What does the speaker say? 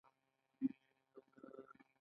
دا مبارزه په ځانګړي بنسټ ولاړه ده.